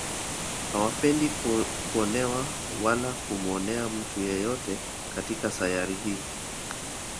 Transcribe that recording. Hawapendi kuonewa wala kumuonea mtu yeyote katika sayari hii